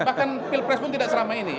bahkan pilpres pun tidak seramai ini ya